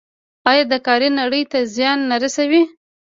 آیا دا کار نړۍ ته زیان نه رسوي؟